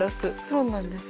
そうなんです。